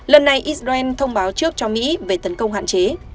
lần này israel thông báo trước cho mỹ về tấn công hạn chế